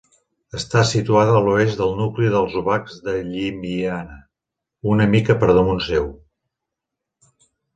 Està situada a l'oest del nucli dels Obacs de Llimiana, una mica per damunt seu.